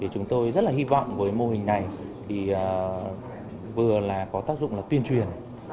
chúng tôi rất hy vọng với mô hình này vừa có tác dụng tuyên truyền